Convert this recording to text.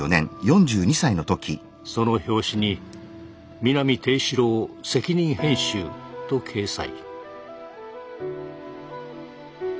その表紙に「南定四郎責任編集」と掲載。